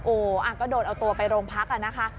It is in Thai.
โอ้ก็โดนเอาตัวไปโรงพักอ่ะนะคะ